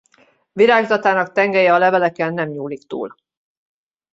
Virágzatának tengelye a leveleken nem nyúlik túl.